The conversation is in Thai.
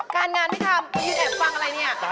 การงานไม่ทำยืนแอบฟังอะไรเนี่ย